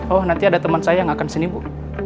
oh nanti ada teman saya yang akan sini bu